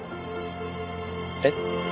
えっ？